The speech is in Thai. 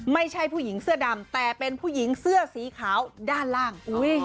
ไม่ใช่ผู้หญิงเสื้อดำแต่เป็นผู้หญิงเสื้อสีขาวด้านล่าง